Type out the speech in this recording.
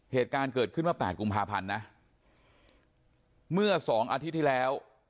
เหตุการณ์เกิดขึ้นว่าแปดกุมภาพันธ์นะเมื่อสองอาทิตย์ที่แล้ว